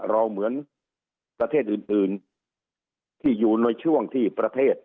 เหมือนประเทศอื่นที่อยู่ในช่วงที่ประเทศ